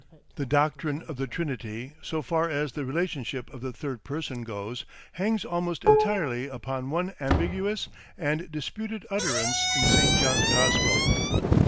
The doctrine of the Trinity, so far as the relationship of the Third Person goes, hangs almost entirely upon one ambiguous and disputed utterance in St. John's gospel (XV.